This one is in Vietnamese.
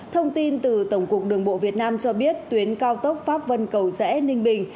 thông tin từ tổng cục đường bộ việt nam cho biết tuyến cao tốc pháp vân cầu rẽ ninh bình